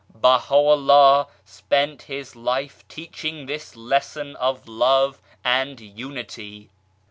Baha'u'llah spent his life teaching this lesson of Love and Unity.